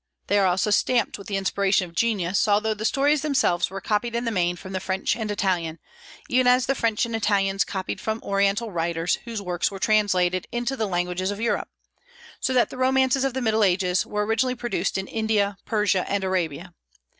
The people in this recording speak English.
They are also stamped with the inspiration of genius, although the stories themselves were copied in the main from the French and Italian, even as the French and Italians copied from Oriental writers, whose works were translated into the languages of Europe; so that the romances of the Middle Ages were originally produced in India, Persia, and Arabia.